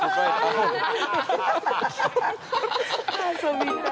「遊びたい」